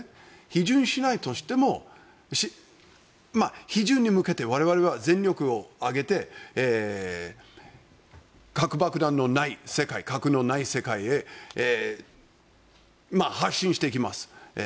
批准しないとしても批准に向けて我々は全力を挙げて核爆弾のない世界核のない世界へ発信していきます。